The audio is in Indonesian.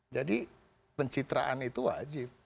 jadi pencitraan itu wajib